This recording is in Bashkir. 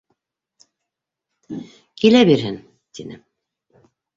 — Килә бирһен, — тине.